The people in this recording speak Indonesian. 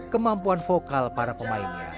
kemampuan vokal para pemainnya